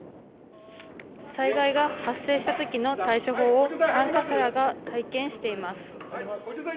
災害が発生したときの対処法を参加者が体験しています。